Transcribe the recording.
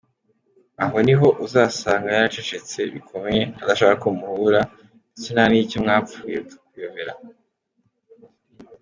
Aho niho uzasanga yaracecetse bikomeye ,adashaka ko muhura, ndetse nta n’icyo mwapfuye bikakuyobera.